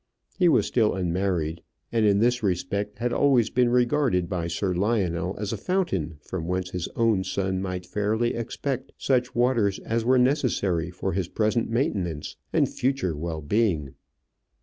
He was still unmarried, and in this respect had always been regarded by Sir Lionel as a fountain from whence his own son might fairly expect such waters as were necessary for his present maintenance and future well being.